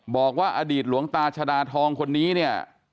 บอกว่าอดีตหลวงตาชดาทองคนนี้เนี่ย